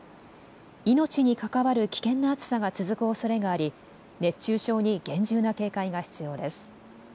命に関わる危険な暑さが続くおそれがあり熱中症に厳重な警戒が必要です。